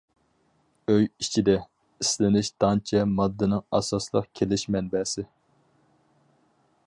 ئۆي ئىچىدە، ئىسلىنىش دانچە ماددىنىڭ ئاساسلىق كېلىش مەنبەسى.